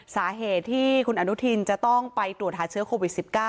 สาเหตุที่คุณอนุทินจะต้องไปตรวจหาเชื้อโควิด๑๙